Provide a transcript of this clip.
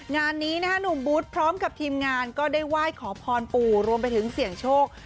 งานนี้นะคะหนุ่มบูธพร้อมกับทีมงานก็ได้ไหว้ขอพรปู่รวมไปถึงเสี่ยงโชค